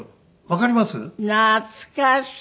わかります？